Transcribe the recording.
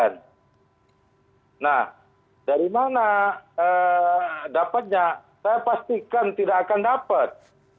nah dari mana dapatnya saya pastikan tidak akan dapat